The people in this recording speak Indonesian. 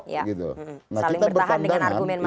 nah kita berpandangan